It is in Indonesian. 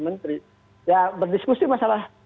menteri ya berdiskusi masalah